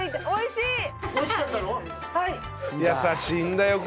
おいしい。